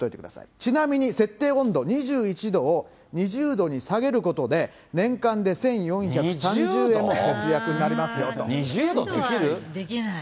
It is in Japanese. ちなみに設定温度２１度を２０度に下げることで、年間で１４３０２０度？できない。